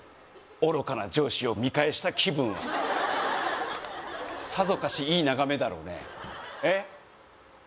愚かな上司を見返した気分はさぞかしいい眺めだろうねええ？